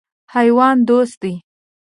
حیوان دوست دی.